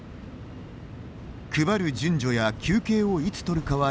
配る順序や休憩をいつ取るかは自由。